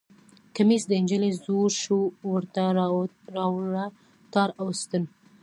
کمیس د نجلۍ زوړ شو ورته راوړه تار او ستن